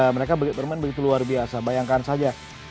mereka bermain begitu luar biasa bayangkan saja